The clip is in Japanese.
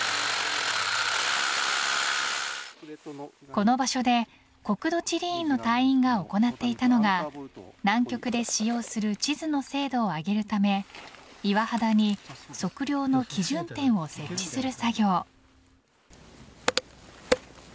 この場所で国土地理院の隊員が行っていたのが南極で使用する地図の精度を上げるため岩肌に測量の基準点を設置する作業。